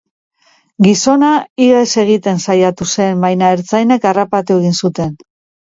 Gizona ihes egiten saiatu zen, baina ertzainek harrapatu egin zuten.